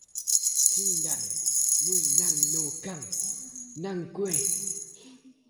Tiếng đàn mưa nức nở khúc ngậm ngùi